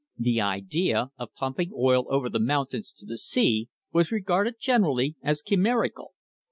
The idea of pumping oil over the mountains to the sea was regarded generally as chimerical.